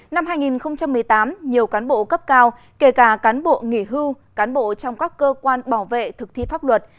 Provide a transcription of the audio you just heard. năm hai nghìn một mươi tám nhiều cán bộ cấp cao kể cả cán bộ nghỉ hưu cán bộ trong các cơ quan bảo vệ thực thi pháp luật